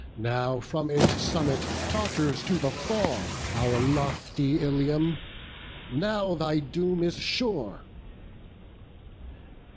Now from its summit totters to the fall Our lofty Ilium; now thy doom is sure."